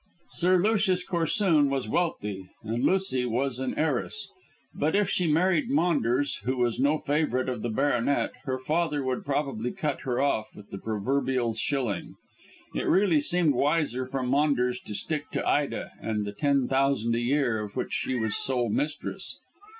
Sir Julius Corsoon was wealthy and Lucy was an heiress, but if she married Maunders, who was no favourite with the baronet, her father would probably cut her off with the proverbial shilling. It really seemed wiser for Maunders to stick to Ida and the ten thousand a year of which she was sole mistress.